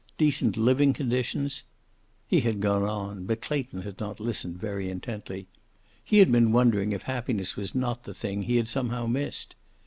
Decent living conditions " He had gone on, but Clayton had not listened very intently. He had been wondering if happiness was not the thing he had somehow missed.